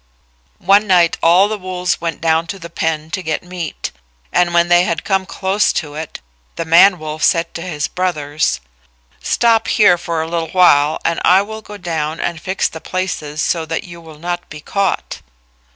One night all the wolves went down to the pen to get meat, and when they had come close to it, the man wolf said to his brothers, "Stop here for a little while and I will go down and fix the places so that you will not be caught."